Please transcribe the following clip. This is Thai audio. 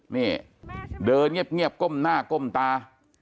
นี่เดอร์เงียบเงียบก้มหน้าก้มตา